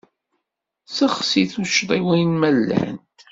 Sseɣti tuccḍiwin ma llant.